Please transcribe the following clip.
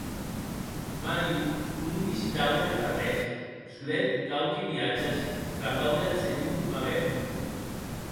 Mario non visitaue ad arrés, solet quauqui viatges trapaue ath senhor Mabeuf.